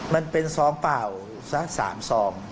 มันเป็นซองเปล่าสัก๓ซอง